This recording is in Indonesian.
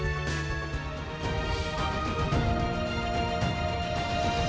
menjadi cerita tersendiri